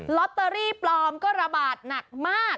ลอตเตอรี่ปลอมก็ระบาดหนักมาก